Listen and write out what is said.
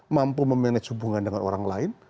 mampu memanage hubungan dengan orang lain